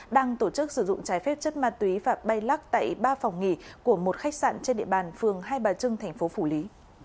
đang tổ chức sử dụng trái phép chất ma túy và bay lắc tại ba phòng nghỉ của một khách sạn trên địa bàn phường hai bà trưng thành phố phủ lý